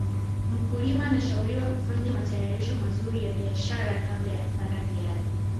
mkulima anashauriwa kufanya matayarisho mazuri ya shamba kabla ya kupanda viazi